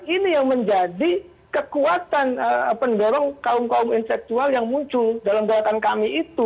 ini yang menjadi kekuatan pendorong kaum kaum inseksual yang muncul dalam gerakan kami itu